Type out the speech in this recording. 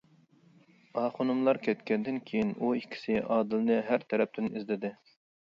ئاخۇنۇملار كەتكەندىن كېيىن ئۇ ئىككىسى ئادىلنى ھەر تەرەپتىن ئىزدىدى.